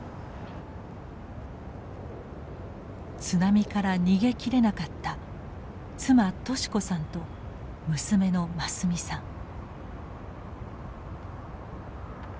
津波から逃げきれなかった妻利子さんと娘の真澄さん。